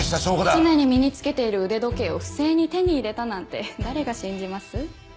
常に身に着けている腕時計を不正に手に入れたなんて誰が信じます？